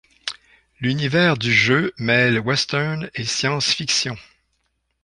L'univers du jeu mêle western et science-fiction.